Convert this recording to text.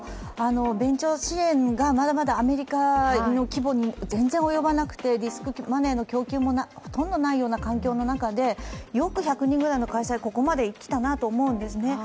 ベンチャー支援がまだまだアメリカの規模に全然及ばなくてリスクマネーの供給もほとんどないような環境の中で、よく１００人くらいの会社がここまできたなと思うんですね。